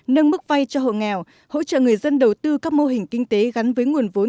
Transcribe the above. nâng mức vay cho hộ nghèo hỗ trợ người dân đầu tư các mô hình kinh tế gắn với nguồn vốn